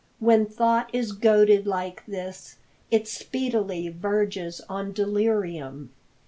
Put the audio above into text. When thought is goaded like this, it speedily verges on delirium.